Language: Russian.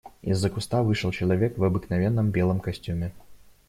Из-за куста вышел человек в обыкновенном белом костюме.